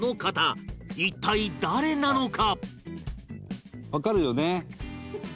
一体誰なのか？